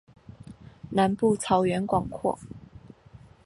南部草原广阔。